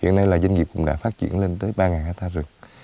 hiện nay là doanh nghiệp cũng đã phát triển lên tới ba hectare rừng